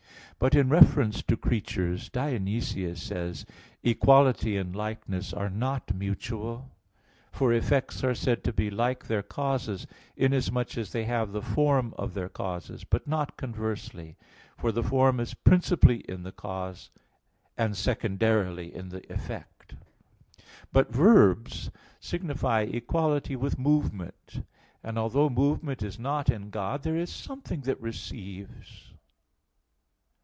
But in reference to creatures, Dionysius says (Div. Nom. ix): "Equality and likeness are not mutual." For effects are said to be like their causes, inasmuch as they have the form of their causes; but not conversely, for the form is principally in the cause, and secondarily in the effect. But verbs signify equality with movement. And although movement is not in God, there is something that receives.